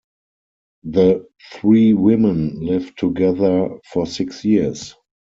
The three women lived together for six years.